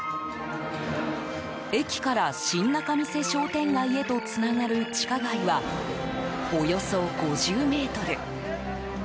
駅から新仲見世商店街へとつながる地下街はおよそ５０ｍ。